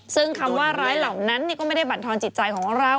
ซึ่งคำว่าร้ายเหล่านั้นก็ไม่ได้บรรทอนจิตใจของเรา